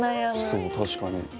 そう確かに。